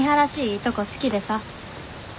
いいとこ好きでさ。